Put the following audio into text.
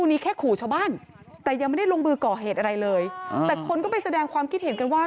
อีกหลวงอะแกคนไปแสดงความคิดเห็นว่า